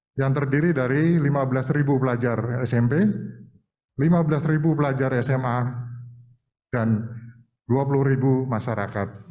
yang terdiri dari lima belas pelajar smp lima belas pelajar sma dan dua puluh ribu masyarakat